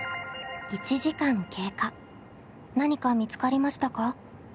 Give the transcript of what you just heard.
何か見つかりましたか？